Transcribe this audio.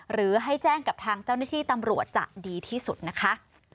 หรือให้แจ้งกับทางเจ้าหน้าที่ตำรวจจะดีที่สุดนะคะ